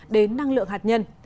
đến năng lượng hạt nhân